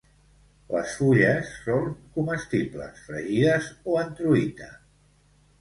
Les fulles són comestibles, fregides o en truita.